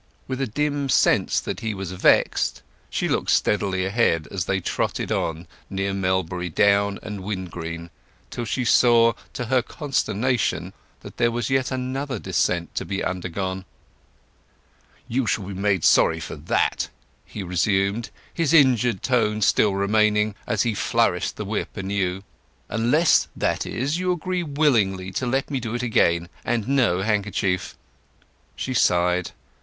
With a dim sense that he was vexed she looked steadily ahead as they trotted on near Melbury Down and Wingreen, till she saw, to her consternation, that there was yet another descent to be undergone. "You shall be made sorry for that!" he resumed, his injured tone still remaining, as he flourished the whip anew. "Unless, that is, you agree willingly to let me do it again, and no handkerchief." She sighed.